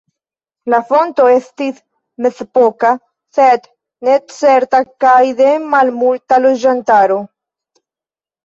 La fondo estis mezepoka, sed ne certa kaj de malmulta loĝantaro.